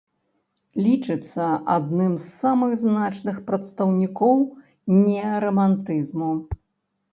Лічыцца адным з самых значных прадстаўнікоў неарамантызму.